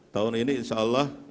tahun ini insyaallah